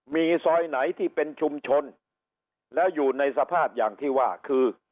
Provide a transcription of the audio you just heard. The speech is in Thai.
มีซอยไหนที่เป็นชุมชนแล้วอยู่ในสภาพอย่างที่ว่าคือ